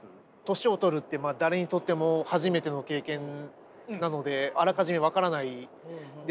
年を取るって誰にとっても初めての経験なのであらかじめ分からないんですよね。